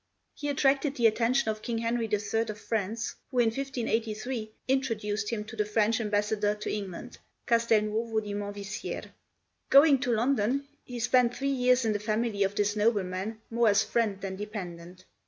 He attracted the attention of King Henry III. of France, who in 1583 introduced him to the French ambassador to England, Castelnuovo di Manvissière. Going to London, he spent three years in the family of this nobleman, more as friend than dependent.